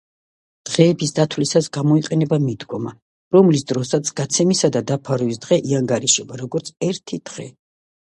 დღეების დათვლისას გამოიყენება მიდგომა, რომლის დროსაც გაცემისა და დაფარვის დღე იანგარიშება, როგორც ერთი დღე.